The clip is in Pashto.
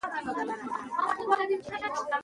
که ماشوم تمرکز ونلري، هڅه وکړئ یې هڅوئ.